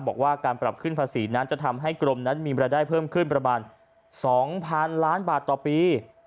บอกว่าการปรับขึ้นภาษีนั้นจะทำให้กรมนั้นมีรายได้เพิ่มขึ้นประมาณ๒๐๐๐ล้านบาทต่อปี